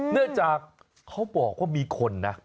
เนื่องจากเขาบอกว่ามีคนนะ